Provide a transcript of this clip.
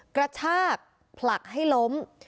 กระชากผลักให้ล้ม